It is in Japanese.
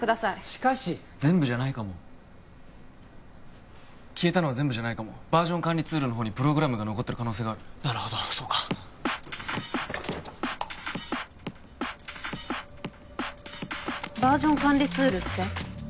しかし全部じゃないかも消えたのは全部じゃないかもバージョン管理ツールのほうにプログラムが残ってる可能性があるなるほどそうかバージョン管理ツールって？